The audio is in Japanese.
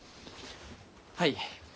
はい。